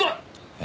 え？